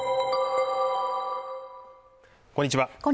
こんにちは